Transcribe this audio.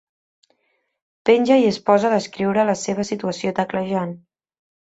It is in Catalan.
Penja i es posa a descriure la seva situació teclejant.